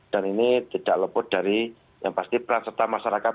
dan ini tidak lebut dari yang pasti peran serta masyarakat